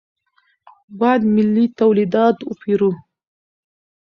باید ملي تولیدات وپېرو.